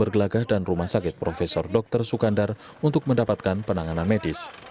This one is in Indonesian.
kecelakaan di jalan turunan tajab